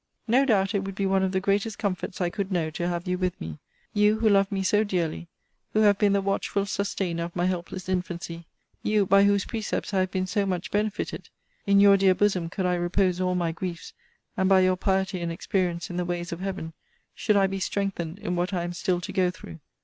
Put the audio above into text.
No doubt it would be one of the greatest comforts I could know to have you with me: you, who love me so dearly: who have been the watchful sustainer of my helpless infancy: you, by whose precepts I have been so much benefited! In your dear bosom could I repose all my griefs: and by your piety and experience in the ways of Heaven, should I be strengthened in what I am still to go through.